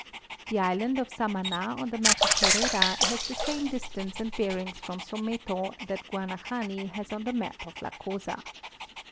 The island of Samana on the map of Herrera has the same distance and bearings from Someto that Guanahani has on the map of la Cosa.